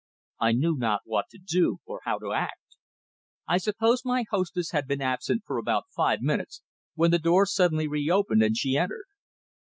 I knew not what to do, or how to act. I suppose my hostess had been absent for about five minutes when the door suddenly re opened, and she entered.